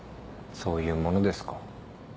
そういうものですか。